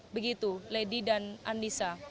begitu lady dan andisa